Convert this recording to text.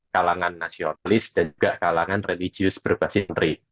kalangan nasionalis dan juga kalangan religius berbasis santri